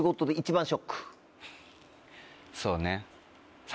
そうね。